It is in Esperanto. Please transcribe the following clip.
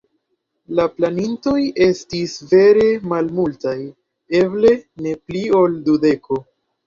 La planintoj estis vere malmultaj, eble ne pli ol dudeko.